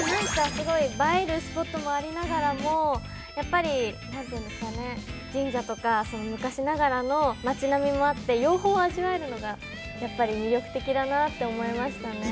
◆すごい映えるスポットもありながらも、やっぱり何というのかな、神社とか、昔ながらの町並みもあって、両方味わえるのが魅力的だなと思いましたね。